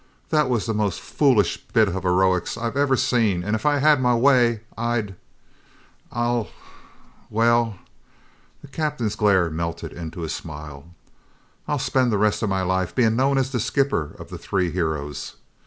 "That was the most foolish bit of heroics I've ever seen and if I had my way I'd I'll well " The captain's glare melted into a smile. "I'll spend the rest of my life being known as the skipper of the three heroes!